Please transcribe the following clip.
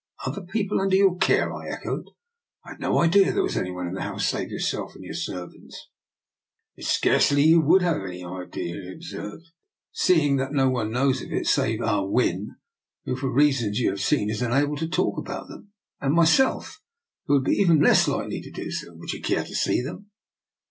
" Other people under your care? " I echoed. " I had no idea there was any one in the house save yourself and your servjants.*' " It is scarcely likely you would haV;e any idea of it," he observed, " seeing that mo one DR. NIKOLA'S EXPERIMENT. 171 knows of it save Ah Win, who, for reasons you have seen, is unable to talk about them, and myself, who would be even less likely to do so. Would you care to see them?